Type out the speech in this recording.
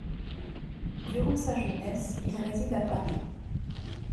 Durant sa jeunesse, il réside à Paris.